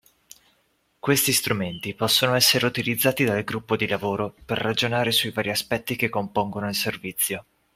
Questi strumenti possono essere utilizzati dal gruppo di lavoro per ragionare sui vari aspetti che compongono il servizio